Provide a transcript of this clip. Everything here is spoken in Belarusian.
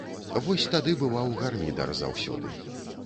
Вось тады бываў гармідар заўсёды!